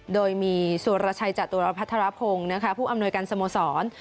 โดยมีสุรชัยจตุรพัทรพงศ์ผู้อำนวยการสโมสร